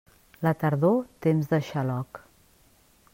La tardor, temps de xaloc.